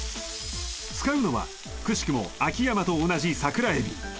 使うのはくしくも秋山と同じ桜エビ